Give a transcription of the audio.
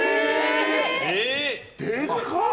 でかっ！